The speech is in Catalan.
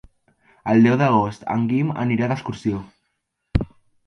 El deu d'agost en Guim anirà d'excursió.